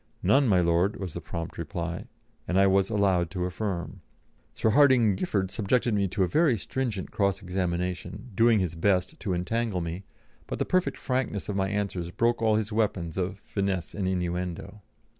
"None, my Lord," was the prompt reply, and I was allowed to affirm. Sir Hardinge Giffard subjected me to a very stringent cross examination, doing his best to entangle me, but the perfect frankness of my answers broke all his weapons of finesse and inuendo.